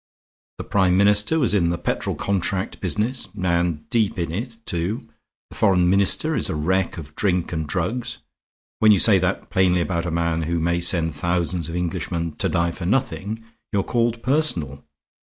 The Prime Minister was in the petrol contract business; and deep in it, too. The Foreign Minister is a wreck of drink and drugs. When you say that plainly about a man who may send thousands of Englishmen to die for nothing, you're called personal.